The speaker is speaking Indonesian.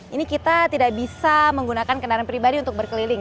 ini kita tidak bisa menggunakan kendaraan pribadi untuk berkeliling